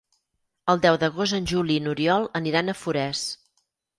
El deu d'agost en Juli i n'Oriol aniran a Forès.